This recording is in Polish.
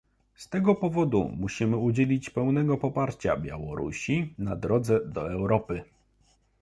Z tego powodu musimy udzielić pełnego poparcia Białorusi na drodze do Europy